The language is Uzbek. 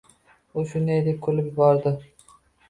— U shunday deb kulib yubordi.